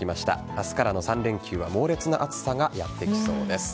明日からの３連休は猛烈な暑さがやってきそうです。